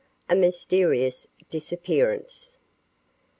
A MYSTERIOUS DISAPPEARANCE.